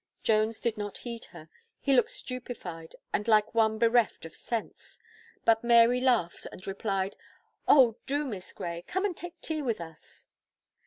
Jones did not heed her; he looked stupified and like one bereft of sense, but Mary laughed and replied, "Oh! do Miss Gray, come and take tea with us."